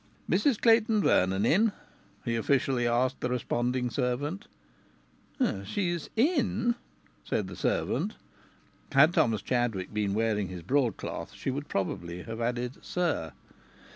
"Mrs Clayton Vernon in?" he officially asked the responding servant. "She's in," said the servant. Had Thomas Chadwick been wearing his broadcloth she would probably have added "sir."